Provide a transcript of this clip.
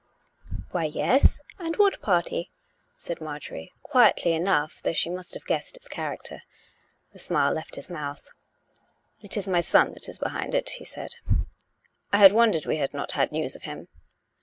"Why, yes! And what party?" said Marjorie, quietly enough, though slie must have guessed its character. The smile left his mouth. " It is my son that is behind it," he said. " I had won dered we had not had news of him!